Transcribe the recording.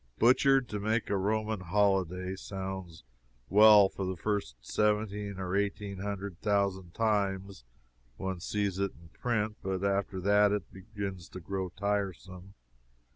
Butchered to make a Roman holiday sounds well for the first seventeen or eighteen hundred thousand times one sees it in print, but after that it begins to grow tiresome.